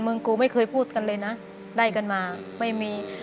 กูไม่เคยพูดกันเลยนะได้กันมาไม่มี